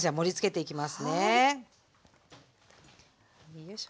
よいしょ。